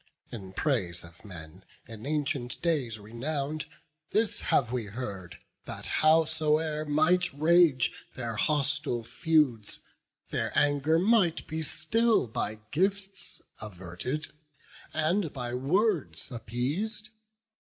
In praise of men in ancient days renown'd, This have we heard, that how so e'er might rage Their hostile feuds, their anger might be still By gifts averted, and by words appeas'd.